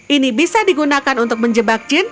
ini bisa digunakan untuk menjebak jin